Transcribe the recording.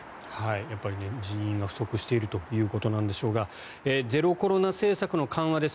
やっぱり人員は不足しているということなんでしょうがゼロコロナ政策の緩和です。